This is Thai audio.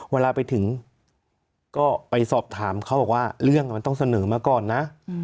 เวลาไปถึงก็ไปสอบถามเขาบอกว่าเรื่องมันต้องเสนอมาก่อนนะ